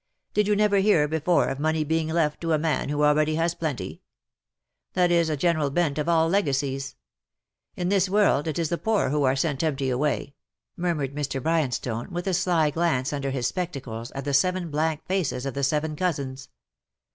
" Did you never hear before of money being left to a man who already has plenty ? That is the general bent of all legacies. In this world it is the poor who are sent empty away/' murmured Mr. Bryanstone, with a sly glance under his spectacles at the seven blank faces of the seven cousins.